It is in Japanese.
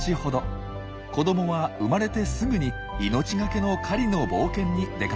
子どもは生まれてすぐに命懸けの狩りの冒険に出かけます。